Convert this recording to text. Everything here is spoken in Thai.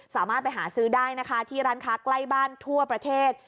สามารถไปหาซื้อได้นะคะที่ร้านค้าใกล้บ้านทั่วประเทศ